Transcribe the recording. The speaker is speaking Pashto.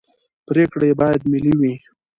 پرېکړې باید ملي وي